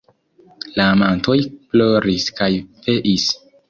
La amantoj ploris kaj veis.